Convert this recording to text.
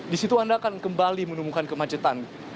di situ anda akan kembali menemukan kemacetan